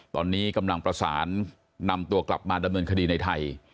ตอนนี้กำลังประสานนำตัวกลับมาดำเนินคดีในไทย